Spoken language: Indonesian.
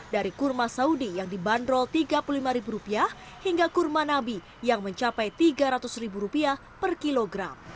dari kurma saudi yang dibanderol rp tiga puluh lima hingga kurma nabi yang mencapai rp tiga ratus per kilogram